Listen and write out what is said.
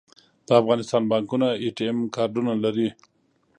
د افغانستان بانکونه اې ټي ایم کارډونه لري